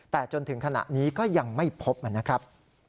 แต่จนถึงขณะนี้ก็ยังไม่พบนะครับ